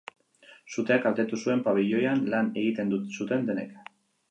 Suteak kaltetu zuen pabiloian lan egiten zuten denek.